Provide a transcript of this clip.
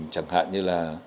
chẳng hạn như là